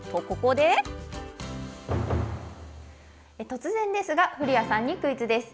突然ですが古谷さんにクイズです。